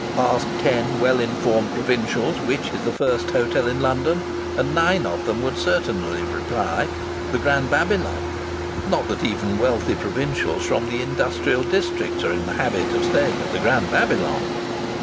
Ask ten well informed provincials which is the first hotel in London and nine of them would certainly reply, the Grand Babylon. Not that even wealthy provincials from the industrial districts are in the habit of staying at the Grand Babylon!